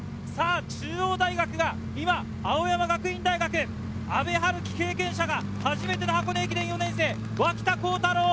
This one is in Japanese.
中央大学が青山学院大学・阿部陽樹、経験者が初めての箱根駅伝、脇田幸太朗。